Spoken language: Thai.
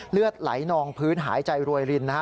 เลือดไหลนองพื้นหายใจรวยรินนะฮะ